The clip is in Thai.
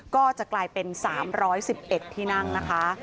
ก็จะกลายเป็น๓๑๑ที่นั่งนะคะ